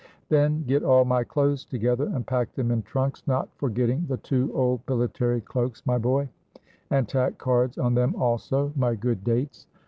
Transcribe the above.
Then get all my clothes together, and pack them in trunks (not forgetting the two old military cloaks, my boy), and tack cards on them also, my good Dates.